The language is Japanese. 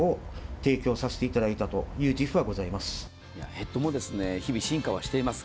ヘッドも日々進化をしています。